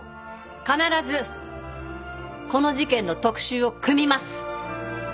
必ずこの事件の特集を組みます！